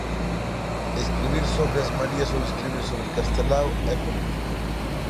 Escribir sobre as Marías ou escribir sobre Castelao é política.